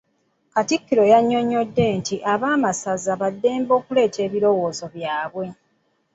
Katikkiro yanyonyodde nti ab'amasaza ba ddembe okuleeta ebirowoozo byaabwe.